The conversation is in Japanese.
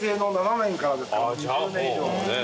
２０年以上。